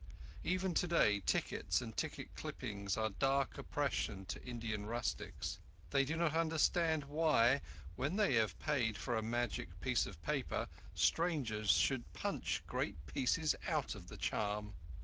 Even today, tickets and ticket clipping are dark oppression to Indian rustics. They do not understand why, when they have paid for a magic piece of paper, strangers should punch great pieces out of the charm.